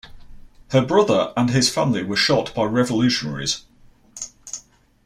Her brother and his family were shot by revolutionaries.